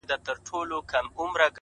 خاموشه هڅه هېڅ نه ضایع کېږي’